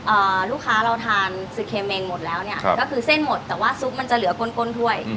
ลูกค้าเราทานซึเคเมงหมดแล้วเนี้ยครับก็คือเส้นหมดแต่ว่าซุปมันจะเหลือก้นก้นถ้วยอืม